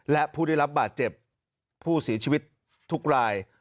และผู้ได้รับบาดเจ็บผู้เสียชีวิตทุกราย